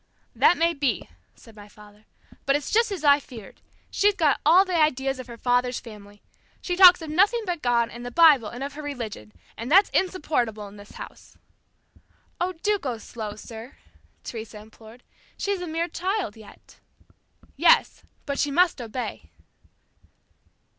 "That may be," said my father, "but it's just as I feared. She's got all the ideas of her father's family. She talks of nothing but God and the Bible and of her religion, and that's insupportable in this house." "Oh, do go slow, sir," Teresa implored. "She's a mere child yet." "Yes, but she must obey."